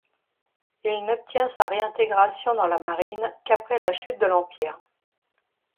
Il n'obtient sa réintégration dans la Marine qu'après la chute de l'Empire.